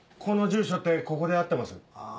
この住所ってここで合ってます？